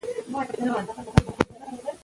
که شیدې زیاتې وڅښل شي، وزن زیاتوي.